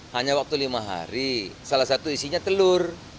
hanya waktu lima hari salah satu isinya telur